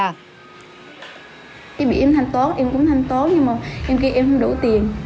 em bị em thanh tốn em cũng thanh tốn nhưng mà em kêu em không đủ tiền